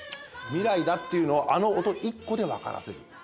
未来だっていうのを、あの音１個で分からせる。